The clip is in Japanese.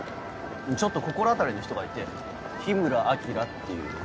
ちょっと心当たりの人がいて緋邑晶っていうマジシャン。